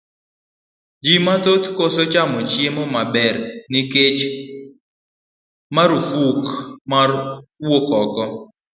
Ji mathoth koso chamo chiemo maber nikech marufuk mar wuok oko.